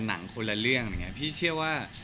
หนังคนละเรื่องพี่เชื่อว่า